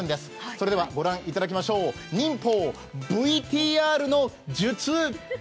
それではご覧いただきましょう、忍法ＶＴＲの術！